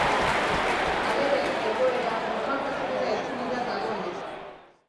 Halere, egoera normaltasunera itzuli da dagoeneko.